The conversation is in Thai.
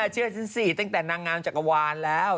เชื่อฉันสิตั้งแต่นางงามจักรวาลแล้ว